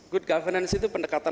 good governance itu pendekatan